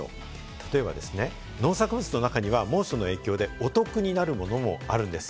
例えば農作物の中には猛暑の影響で、お得になるものもあるんです。